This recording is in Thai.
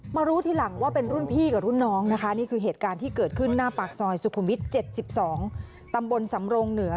มารู้ที่หลังว่าเป็นรุ่นพี่กับรุ่นน้องนะครับนี่คือเหตุการณ์ที่เกิดขึ้นหน้าปากสอยสุขุมฤทธิ์เจ็บสิบสอง